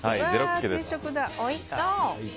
おいしそう！